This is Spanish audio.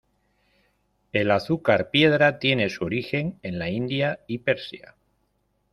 El azúcar piedra tiene su origen en la India y Persia.